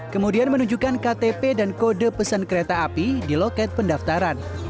kemudian menunjukkan ktp dan kode pesan kereta api di loket pendaftaran